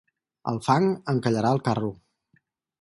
El fang encallarà el carro.